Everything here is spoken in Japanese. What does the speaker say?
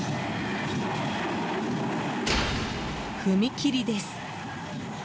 踏切です。